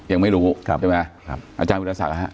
อย่างไม่รู้ใช่มั้ยอาจารย์ภิกษาศึกษ์นะฮะ